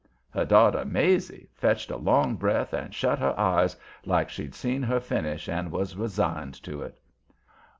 Her daughter "Maizie" fetched a long breath and shut her eyes, like she'd seen her finish and was resigned to it.